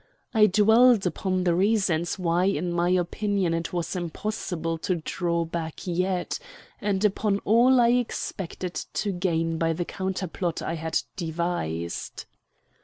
I dwelt upon the reasons why in my opinion it was impossible to draw back yet, and upon all I expected to gain by the counterplot I had devised.